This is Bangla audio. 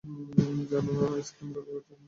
জানো না আইসক্রিম রবিবারের জন্য।